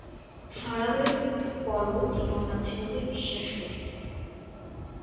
ফারাওয়ের মৃত্যুর পরও জীবন আছে বলে বিশ্বাস করত।